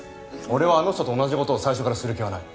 俺はあの人と同じ事を最初からする気はない。